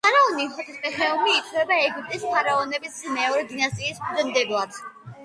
ფარაონი ჰოტეპსეხემუი ითვლება ეგვიპტის ფარაონების მეორე დინასტიის ფუძემდებლად.